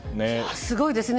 すごいですね。